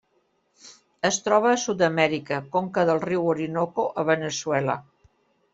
Es troba a Sud-amèrica: conca del riu Orinoco a Veneçuela.